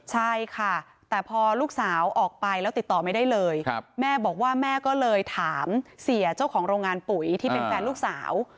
ใช่ค่ะแต่พอลูกสาวออกไปแล้วติดต่อไม่ได้เลยแม่บอกว่าแม่ก็เลยถามเสียเจ้าของโรงงานปุ๋ยที่เป็นแฟนลูกสาว